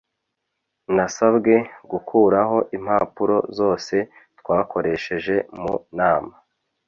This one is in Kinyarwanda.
nasabwe gukuraho impapuro zose twakoresheje mu nama